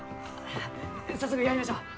早速やりましょう！